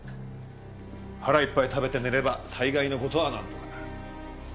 「腹いっぱい食べて寝れば大概の事はなんとかなる」。